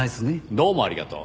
どうもありがとう。